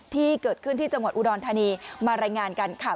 ที่เกิดขึ้นที่จังหวัดอุดรธานีมารายงานกันค่ะ